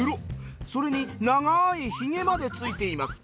それに長い髭までついています。